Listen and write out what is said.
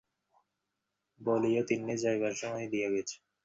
বলিয়ো, তিন্নি যাইবার সময় দিয়া গেছে।